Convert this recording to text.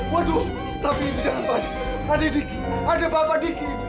waduh tapi jangan pandi ada diki ada bapak diki